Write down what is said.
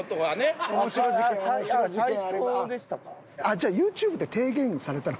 じゃあＹｏｕＴｕｂｅで提言されたのは？